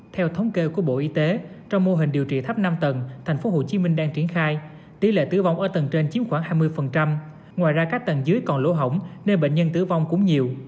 theo thống kê của bộ y tế trong mô hình điều trị tháp năm tầng thành phố hồ chí minh đang triển khai tỷ lệ tử vong ở tầng trên chiếm khoảng hai mươi ngoài ra các tầng dưới còn lỗ hỏng nên bệnh nhân tử vong cũng nhiều